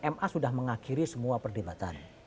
ma sudah mengakhiri semua perdebatan